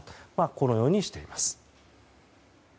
このようにしています。